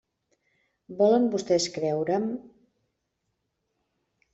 Volen vostès creure'm?